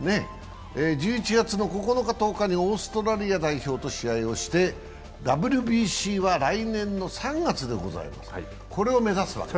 １１月９日、１０日にオーストラリア代表と試合をしてＷＢＣは来年の３月でございます、これを目指すわけ。